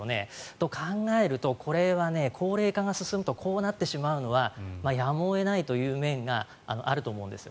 そう考えると、これは高齢化が進むとこうなってしまうのはやむを得ない面があると思います。